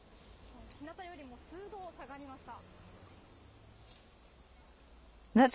ひなたよりも数度下がりました。